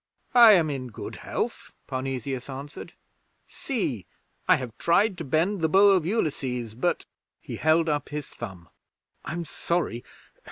'I am in good health,' Parnesius answered. 'See! I have tried to bend the bow of Ulysses, but ' He held up his thumb. 'I'm sorry.